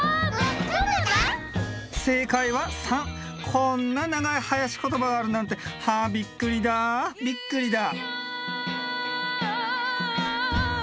こんな長いはやしことばがあるなんてはあびっくりだびっくりだ「イーヤー」